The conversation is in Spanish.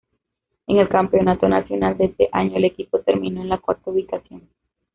En el campeonato nacional de ese año el equipo terminó en la cuarta ubicación.